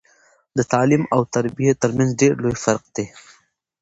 د تعليم او تربيه ترمنځ ډير لوي فرق دی